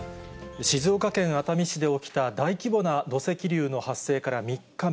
静岡県熱海市で起きた大規模な土石流の発生から３日目。